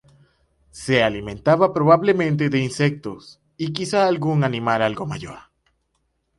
Se alimentaba probablemente de insectos y quizá algún animal algo mayor.